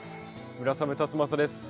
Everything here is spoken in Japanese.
村雨辰剛です。